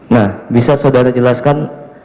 nah bisa saudara jelaskan